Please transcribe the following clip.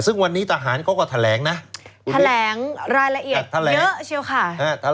ซึ่งวันนี้ทหารเขาก็แถลงนะแถลงรายละเอียดเยอะเชียวค่ะ